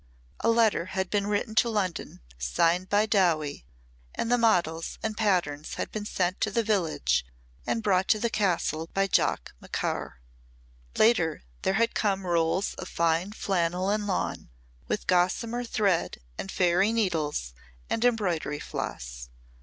A letter had been written to London signed by Dowie and the models and patterns had been sent to the village and brought to the castle by Jock Macaur. Later there had come rolls of fine flannel and lawn, with gossamer thread and fairy needles and embroidery floss.